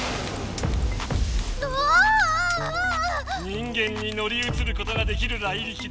人間にのりうつることができるライリキだ。